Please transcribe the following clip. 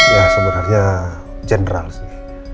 ya sebenarnya general sih